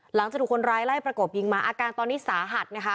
หลังจากถูกคนร้ายไล่ประกบยิงมาอาการตอนนี้สาหัสนะคะ